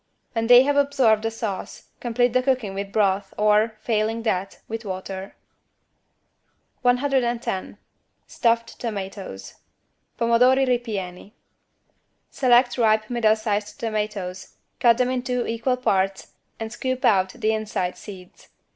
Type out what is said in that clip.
When they have absorbed the sauce, complete the cooking with broth or, failing that, with water. 110 STUFFED TOMATOES (Pomodori ripieni) Select ripe middle sized tomatoes, cut them in two equal parts and scoop out the inside seeds.